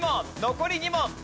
残り２問。